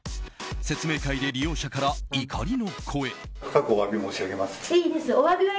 説明会で利用者から怒りの声。